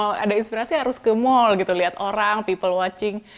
kalau ada inspirasi harus ke mall gitu lihat orang people watching